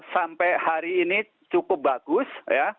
sampai hari ini cukup bagus